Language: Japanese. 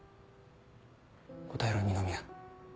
答えろ二宮。